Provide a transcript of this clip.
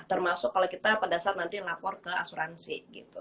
termasuk kalau kita pada saat nanti lapor ke asuransi gitu